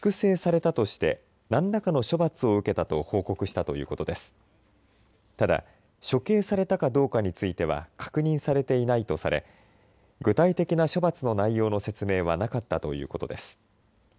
ただ処刑されたかどうかについては確認されていないとされ具体的な処罰の内容の説明はなかったということです。